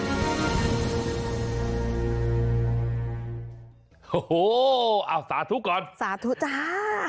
โฮสาธุก่อนสาธุจ้า